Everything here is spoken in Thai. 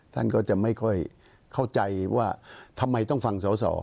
ท่านก็จะไม่ค่อยเข้าใจว่าทำไมต้องฟังสอสอ